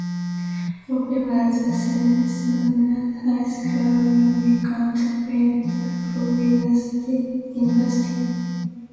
Wafer was the seventh McDonald's High School All-American to play at Florida State University.